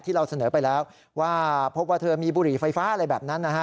เราเสนอไปแล้วว่าพบว่าเธอมีบุหรี่ไฟฟ้าอะไรแบบนั้นนะฮะ